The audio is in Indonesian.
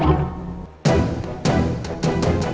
kok kaya dulu lagi